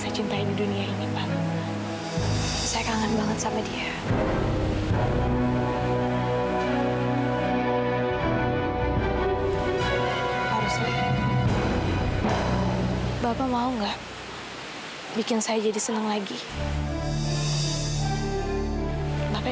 tentu saja jangan berldevelopan tapi